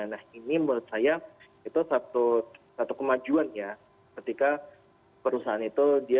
nah ini menurut saya itu satu kemajuan ya ketika perusahaan itu dia